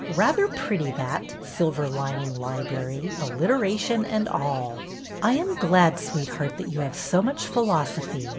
Rather pretty, that. Silver lining library ; alliteration and all." I am glad, sweetheart, that you have so much philosophy.